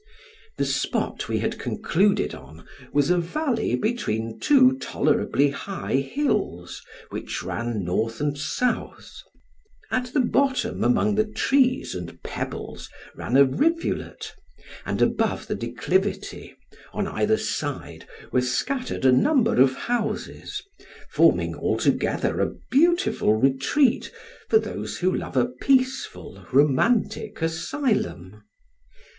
The spot we had concluded on was a valley between two tolerably high hills, which ran north and south; at the bottom, among the trees and pebbles, ran a rivulet, and above the declivity, on either side, were scattered a number of houses, forming altogether a beautiful retreat for those who love a peaceful romantic asylum.